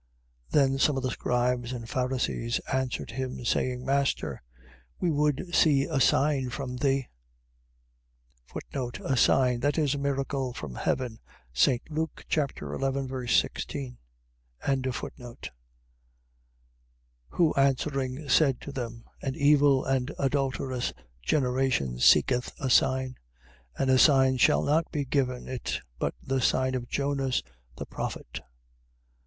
12:38. Then some of the scribes and Pharisees answered him, saying: Master, we would see a sign from thee. A sign. . .That is, a miracle from heaven. St. Luke 11. 16. 12:39. Who answering said to them: An evil and adulterous generation seeketh a sign: and a sign shall not be given it, but the sign of Jonas the prophet.